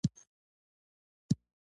د زړه آواز هم اورېدل کېږي.